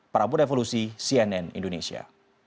prabu devolusi cnn indonesia